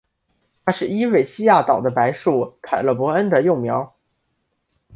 它是伊瑞西亚岛的白树凯勒博恩的幼苗。